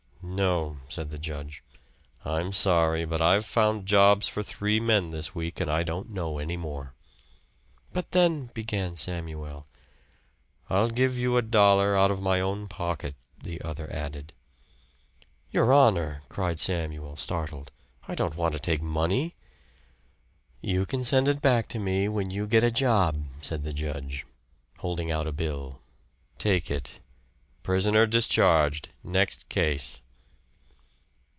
"No," said the judge. "I'm sorry, but I've found jobs for three men this week, and I don't know any more." "But then " began Samuel. "I'll give you a dollar out of my own pocket," the other added. "Your honor," cried Samuel startled, "I don't want to take money!" "You can send it back to me when you get a job," said the judge, holding out a bill. "Take it. Prisoner discharged. Next case."